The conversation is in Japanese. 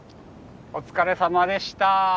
お疲れさまでした。